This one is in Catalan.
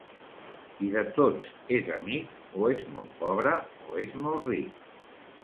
Qui de tots és amic, o és molt pobre o és molt ric.